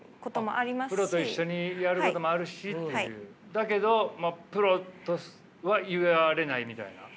だけどプロとは言われないみたいな。